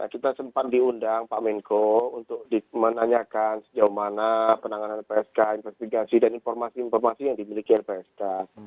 kita sempat diundang pak menko untuk menanyakan sejauh mana penanganan lpsk investigasi dan informasi informasi yang dimiliki lpsk